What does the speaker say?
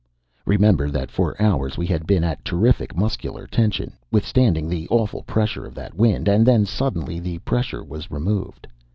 Remember that for hours we had been at terrific muscular tension, withstanding the awful pressure of that wind. And then, suddenly, the pressure was removed.